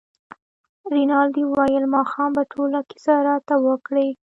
رینالډي وویل ماښام به ټوله کیسه راته وکړې.